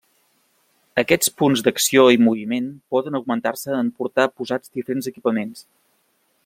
Aquests punts d'acció i moviment poden augmentar-se en portar posats diferents equipaments.